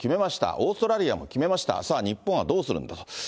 オーストラリアも決めました、さあ、日本はどうするんだ。